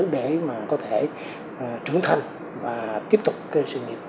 để mà có thể trưởng thành và tiếp tục cái sự nghiệp